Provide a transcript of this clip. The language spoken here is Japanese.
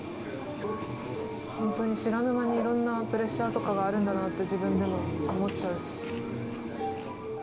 本当に知らぬ間に、いろんなプレッシャーとかがあるんだなと自分でも思っちゃうし。